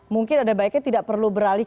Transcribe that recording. mungkin ada baiknya tidak perlu beralih